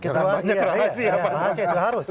rahasia itu harus